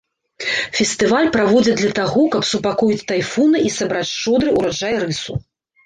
Фестываль праводзяць для таго, каб супакоіць тайфуны і сабраць шчодры ўраджай рысу.